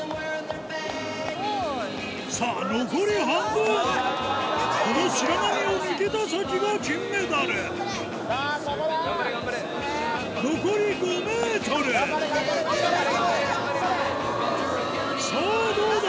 さぁ残り半分この白波を抜けた先が金メダル残り５ｍさぁどうだ？